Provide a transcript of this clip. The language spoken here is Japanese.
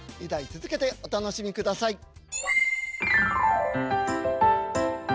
２題続けてお楽しみください。